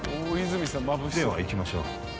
では行きましょう。